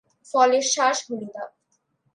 ফলের শাঁস হলুদাভ।